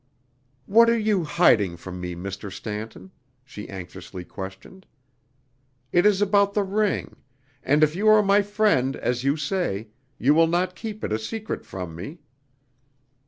"What are you hiding from me, Mr. Stanton?" she anxiously questioned. "It is about the ring and if you are my friend, as you say, you will not keep it a secret from me."